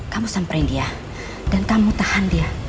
kamu samperin dia dan kamu tahan dia